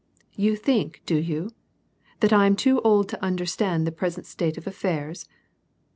" You think, do you, that I am too old to understand the present state of alfairs